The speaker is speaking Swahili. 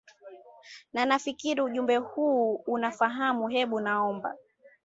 na nafikiri ujumbe huu unaufahamu hebu naomba